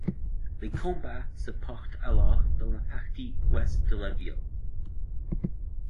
Les combats se portent alors dans la partie ouest de la ville.